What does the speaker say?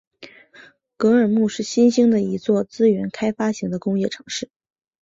格尔木是新兴的一座资源开发型的工业城市。